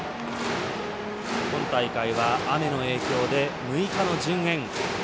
今大会は雨の影響で６日の順延。